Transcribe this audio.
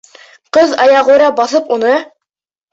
Ҡыҙ аяғүрә баҫып уны: